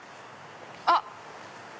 あっ！